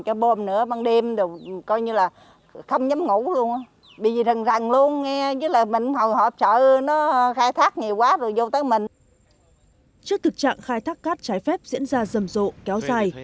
trước thực trạng khai thác cát trái phép diễn ra rầm rộ kéo dài